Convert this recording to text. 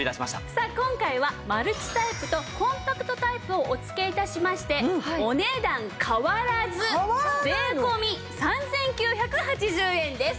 さあ今回はマルチタイプとコンパクトタイプをお付け致しましてお値段変わらず税込３９８０円です。